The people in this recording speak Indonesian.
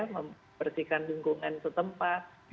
membersihkan bingkungan setempat